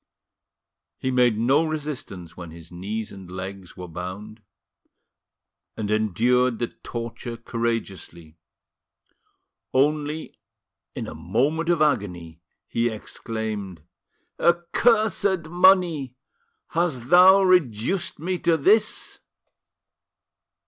He made no resistance when his knees and legs were bound, and endured the torture courageously. Only, in a moment of agony, he exclaimed: "Accursed money! has thou reduced me to this?"